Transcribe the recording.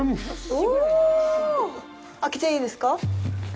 お開けていいですか？